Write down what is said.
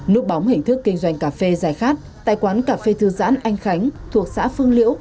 núp bóng hình thức kinh doanh cà phê dài khát tại quán cà phê thư giãn anh khánh thuộc xã phương liễu